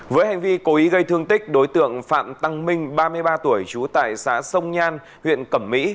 với hành vi cố ý gây thương tích đối tượng phạm tăng minh ba mươi ba tuổi trú tại xã sông nhan huyện cẩm mỹ